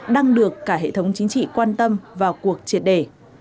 đang được cả hệ thống chính trị quan tâm vào cuộc triệt đề